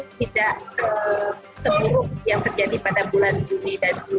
yang terjadi pada bulan juni dan juni